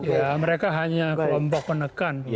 ya mereka hanya kelompok penekan